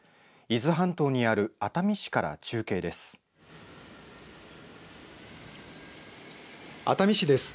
伊豆半島にある熱海市から中継です。